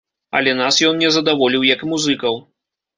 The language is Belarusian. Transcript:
Але нас ён не задаволіў як музыкаў.